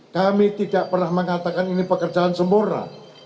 kami tidak pernah mengatakan ini pekerjaan sempurna